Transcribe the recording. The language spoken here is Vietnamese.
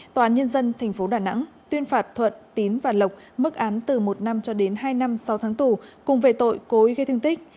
tòa án nhân dân tp đà nẵng tuyên phạt thuận tín và lộc mức án từ một năm cho đến hai năm sau tháng tù cùng về tội cố ý gây thương tích